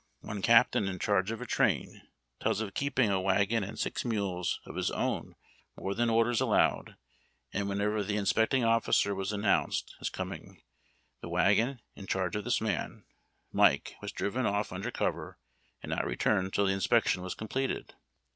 One captain, in charge of a train, tells of keeping a wagon and six mules of his own more than orders allowed, and whenever the in specting officer was announced as coming, the wagon, in charge of his man, Mike, was driven off under cover and not returned till the inspection was completed.